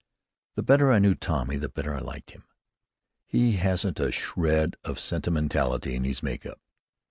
The better I knew Tommy, the better I liked him. He hasn't a shred of sentimentality in his make up.